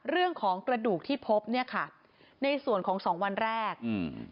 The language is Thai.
เรื่องของกระดูกที่พบเนี้ยค่ะในส่วนของสองวันแรกอืม